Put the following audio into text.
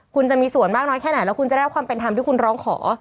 คุณจะมีส่วนมากน้อยแค่ไหนแล้วคุณจะได้รับความเป็นธรรมที่คุณร้องขอ